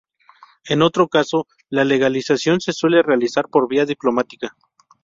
En otro caso, la legalización se suele realizar por vía diplomática.